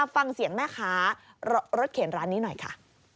ฟังเสียงแม่ค้ารถเข็นร้านนี้หน่อยค่ะ